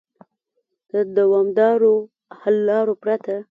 د دوامدارو حل لارو پرته